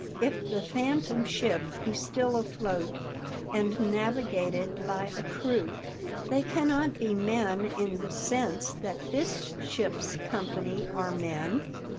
"If the Phantom Ship be still afloat, and navigated by a crew, they cannot be men in the sense that this ship's company are men."